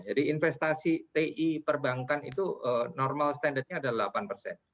jadi investasi ti perbankan itu normal standarnya adalah delapan persen